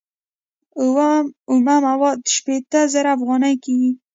اومه مواد شپیته زره افغانۍ کېږي